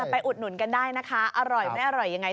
อุดหนุนกันได้นะคะอร่อยไม่อร่อยยังไง